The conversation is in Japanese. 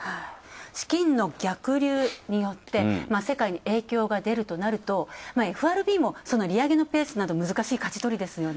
資金の逆流によって世界に影響が出るとなるとＦＲＢも利上げのペースも難しいかじ取りですよね。